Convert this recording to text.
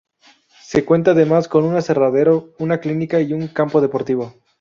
Se cuenta además con un aserradero, una clínica y con un campo deportivo.